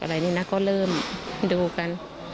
อะไรนี่นะก็เริ่มดูกัน